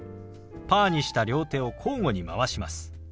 パーにした両手を交互に回します。